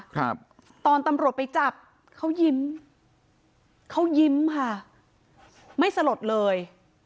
ครับตอนตำรวจไปจับเขายิ้มเขายิ้มค่ะไม่สลดเลย